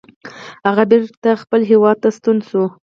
هغه بیرته خپل هیواد ته ستون شي.